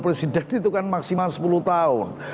presiden itu kan maksimal sepuluh tahun